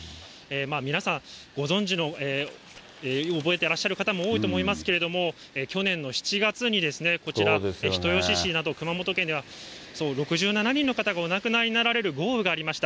皆さん、ご存じの、覚えていらっしゃる方も多いと思いますけれども、去年の７月にこちら、人吉市など、熊本県では、６７人の方がお亡くなりになられる豪雨がありました。